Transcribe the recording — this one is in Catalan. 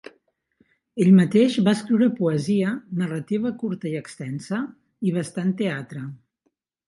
Ell mateix va escriure poesia, narrativa curta i extensa, i bastant teatre.